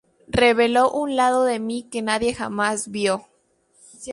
Revelo un lado de mí que nadie jamás vio.